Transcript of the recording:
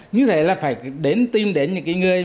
như thế là phải đến tìm đến những người